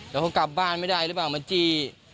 แล้วเขากลับบ้านไม่ได้หรือเปล่ามาจี้